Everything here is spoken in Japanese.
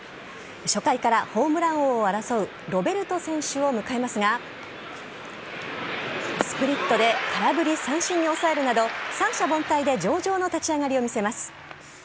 初回からホームラン王を争うロベルト選手を迎えますがスプリットで空振り三振に抑えるなど三者凡退で上々の立ち上がりを見せます。